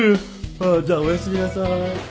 あっじゃあおやすみなさい。